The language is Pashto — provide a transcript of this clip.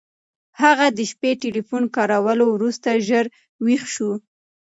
هغه د شپې ټیلیفون کارولو وروسته ژر ویښ شو.